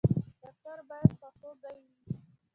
ډاکټر باید خواخوږی وي